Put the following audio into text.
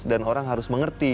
dan orang harus mengerti